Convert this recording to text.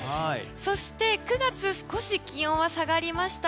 そして９月は少し気温が下がりました